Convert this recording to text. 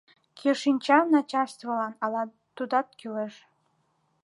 Кӧ шинча, начальствылан ала тудат кӱлеш.